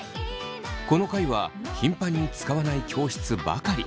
この階は頻繁に使わない教室ばかり。